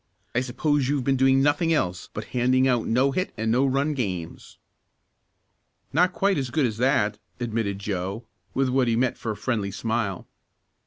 I suppose you've been doing nothing else but handing out no hit and no run games?" "Not quite as good as that," admitted Joe with what he meant for a friendly smile.